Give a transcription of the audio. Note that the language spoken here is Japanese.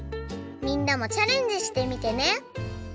みんなもチャレンジしてみてね！